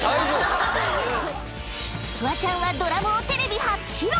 ［フワちゃんはドラムをテレビ初披露］